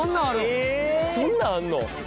そんなんあるの？